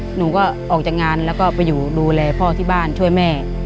หนูก็ออกจากงานแล้วก็ไปอยู่ดูแลพ่อที่บ้านช่วยแม่